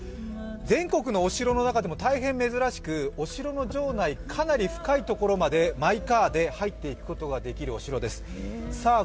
全国のお城の中でも大変珍しくお城の城内、かなり深いところまでマイカーで入っていくことができるお城です。